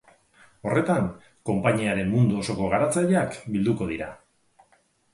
Horretan, konpainiaren mundu osoko garatzaileak bilduko dira.